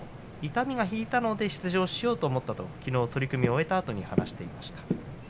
痛みが引いたので出場しようと思ったときのう取組が終わったあと話していました。